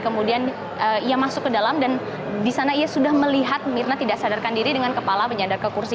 kemudian ia masuk ke dalam dan di sana ia sudah melihat mirna tidak sadarkan diri dengan kepala penyandang ke kursi